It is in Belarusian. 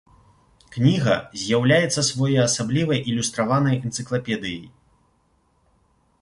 Кніга з'яўляецца своеасаблівай ілюстраванай энцыклапедыяй.